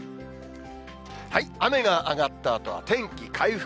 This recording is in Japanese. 雨が上がったあとは天気回復。